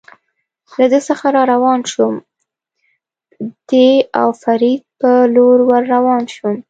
له ده څخه را روان شوم، د او فرید په لور ور روان شوم.